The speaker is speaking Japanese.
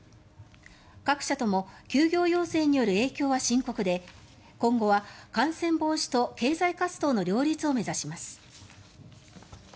各社とも休業要請による影響は深刻で今後は感染防止と経済活動の両立を目指します。